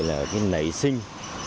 cái nảy sinh